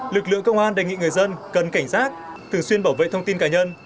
lực lượng công an đề nghị người dân cần cảnh giác thường xuyên bảo vệ thông tin cá nhân